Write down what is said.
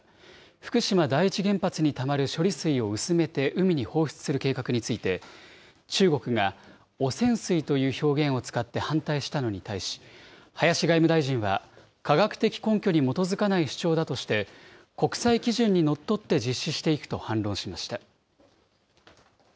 福島第一原発にたまる処理水を薄めて海に放出する計画について、中国が汚染水という表現を使って反対したのに対し、林外務大臣は、科学的根拠に基づかない主張だとして、国際基準にのっとって実施していくと反論しました。